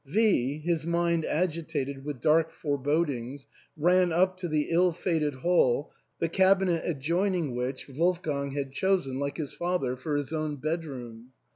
V , his mind agitated with dark forebodings, ran up to the ill fated hall, the THE ENTAIL. 293' cabinet adjoining which Wolfgang had chosen, like his father, for his own bedroom.